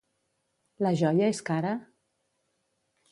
La joia és cara?